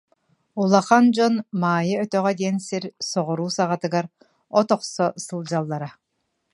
Улахан дьон Маайа өтөҕө диэн сир соҕуруу саҕатыгар от охсо сылдьаллара